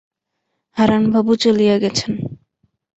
হারানবাবু চলিয়া গেছেন।